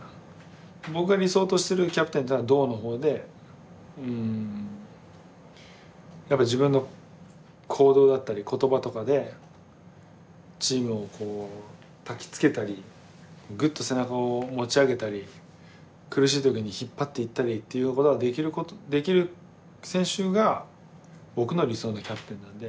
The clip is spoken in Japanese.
僕が理想としてるキャプテンというのは「動」の方でやっぱ自分の行動だったり言葉とかでチームをこうたきつけたりぐっと背中を持ち上げたり苦しい時に引っ張っていったりっていうことができる選手が僕の理想のキャプテンなんで。